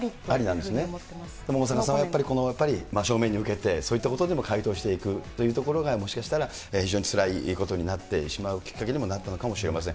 でも大坂さんはやっぱり真正面に受けて、そういったことでも回答していくというところがもしかしたら非常につらいことになってしまうきっかけにもなったのかもしれません。